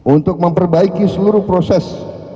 untuk memperbaiki seluruh proses